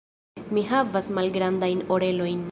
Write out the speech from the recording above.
Mi havas malgrandajn orelojn.